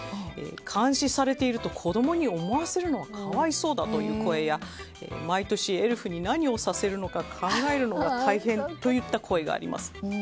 監視されていると子供に思わせるのは可哀想だという声や毎年、エルフに何をさせるのか考えるのが大変といった声があります。